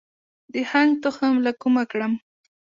د هنګ تخم له کومه کړم؟